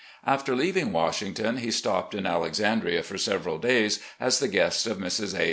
After leaving Washington, he stopped in Alexandria for several days, as the guest of Mrs. A.